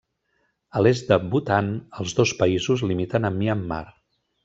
A l'est de Bhutan, els dos països limiten amb Myanmar.